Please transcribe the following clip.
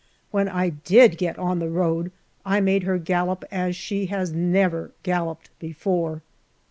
When I did get on the road, I made her gallop as she has never galloped before.